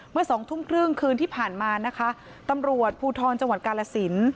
สองทุ่มครึ่งคืนที่ผ่านมานะคะตำรวจภูทรจังหวัดกาลสิน